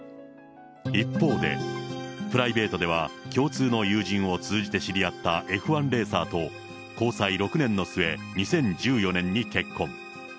一方で、プライベートでは、共通の友人を通じて知り合ったＦ１レーサーと交際６年の末、２０１４年に結婚。